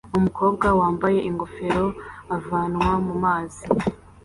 Umukobwa wambaye ingofero avanwa mumazi